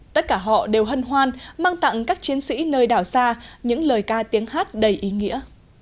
tất cả họ đều hân hoan mang tặng các chiến sĩ nơi đảo xa những lời ca tiếng hát đầy ý nghĩa